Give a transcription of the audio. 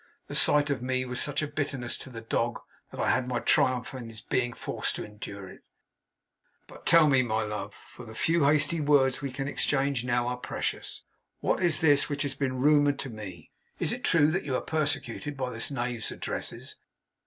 The sight of me was such a bitterness to the dog, that I had my triumph in his being forced to endure it. But tell me, love for the few hasty words we can exchange now are precious what is this which has been rumoured to me? Is it true that you are persecuted by this knave's addresses?